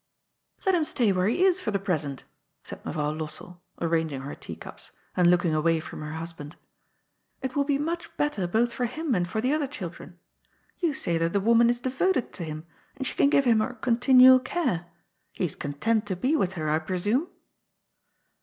^* Let him stay where he is for the present," said Me rroaw Lossell, arranging her teacups, and looking away from her husband ;^^ it will be much better both for him and for the other children. You say that the woman is devoted to him, and she can giye him her continual care. He is con tent to be with her, I presume?